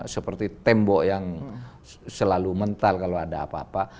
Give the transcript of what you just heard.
seperti tembok yang selalu mental kalau ada apa apa